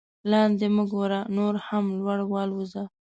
لاندې مه ګوره نور هم لوړ والوځه.